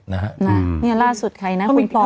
นี่ล่าสุดใครนะคุณพลอย